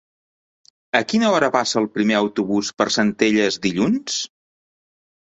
A quina hora passa el primer autobús per Centelles dilluns?